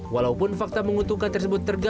walaupun fakta mengutukkan tersebut terganggu